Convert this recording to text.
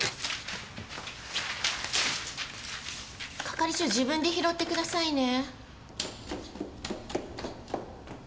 係長自分で拾ってくださいね。